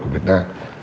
của việt nam